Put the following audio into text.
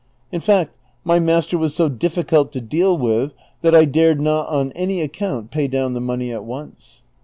In fact my master was so difficult to deal with that 1 dared not on any account pay down the money at once.